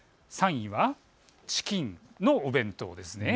３位はチキンのお弁当です。